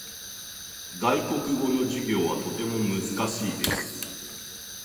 外国語の授業はとても難しいです。